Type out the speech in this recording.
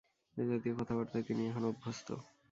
এ জাতীয় কথাবার্তায় তিনি এখন অভ্যস্ত।